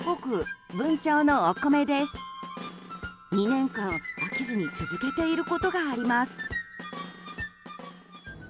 ２年間、飽きずに続けていることがあります。